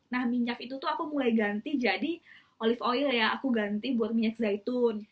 nah minyak itu tuh aku mulai ganti jadi olive oil yang aku ganti buat minyak zaitun